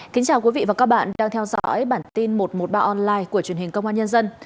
kính chào quý vị và các bạn đang theo dõi bản tin một trăm một mươi ba online của truyền hình công an nhân dân